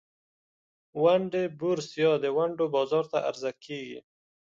ونډې بورس یا د ونډو بازار ته عرضه کیږي.